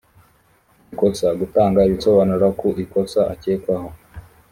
ikosa gutanga ibisobanuro ku ikosa akekwaho